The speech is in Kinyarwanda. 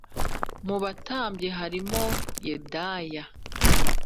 Mu batambyi harimo Yedaya